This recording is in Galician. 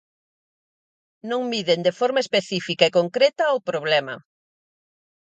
Non miden de forma específica e concreta o problema.